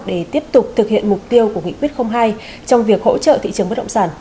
để tiếp tục thực hiện mục tiêu của nghị quyết hai trong việc hỗ trợ thị trường bất động sản